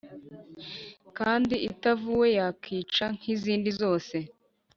kandi itavuwe yakwica nk` izindi zose,